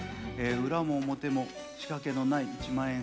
裏も表も仕掛けのない一万円札です。